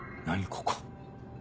ここ。